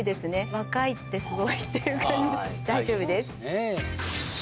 若いってすごいっていう感じ大丈夫です。